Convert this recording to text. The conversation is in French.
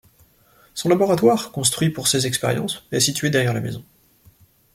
Son laboratoire, construit pour ses expériences est situé derrière la maison.